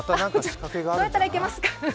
どうやったら行けますか？